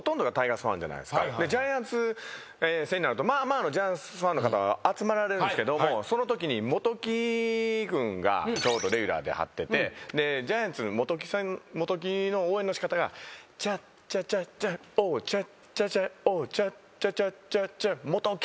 ジャイアンツ戦になるとまあまあのジャイアンツファンの方集まられるんですけどもそのときに元木君がちょうどレギュラーで張っててジャイアンツ元木の応援の仕方が「チャッチャチャッチャオーチャッチャチャオー」「チャッチャチャッチャッチャ元木！」